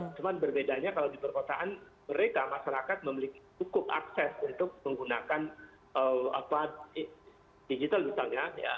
cuma berbedanya kalau di perkotaan mereka masyarakat memiliki cukup akses untuk menggunakan digital misalnya